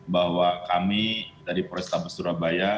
bahwa kami dari polrestabes surabaya